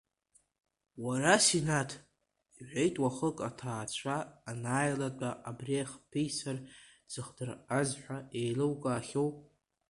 Уара Синаҭ, — иҳәеит уахык, аҭаацәа анааилатәа, абри ҳписар дзыхдырҟьаз ҳәа иеилукаахьои?